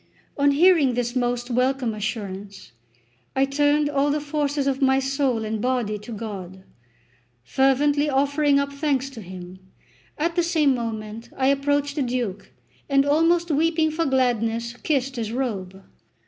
On hearing this most welcome assurance, I turned all the forces of my soul and body to God, fervently offering up thanks to Him. At the same moment I approached the Duke, and almost weeping for gladness, kissed his robe.